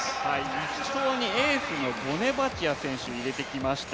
１走にエースのボネバチア選手を入れてきました。